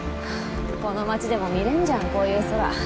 この町でも見れんじゃんこういう空。